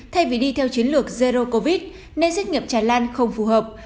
thay vì đi theo chiến lược zero covid nên xét nghiệm tràn lan không phù hợp